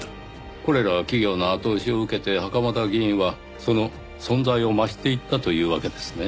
これら企業の後押しを受けて袴田議員はその存在を増していったというわけですね。